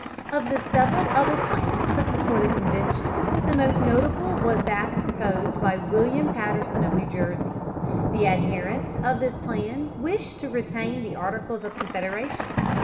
Of the several other plans put before the Convention the most notable was that proposed by William Paterson of New Jersey. The adherents of this plan wished to retain the Articles of Confederation.